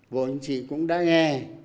bộ anh chị cũng đã nghe